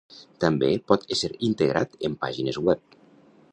També pot ésser integrat en pàgines web.